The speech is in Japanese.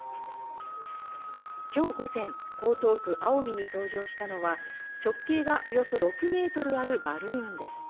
今日午前、江東区青海に登場したのは直径がおよそ６ｍあるバルーンです。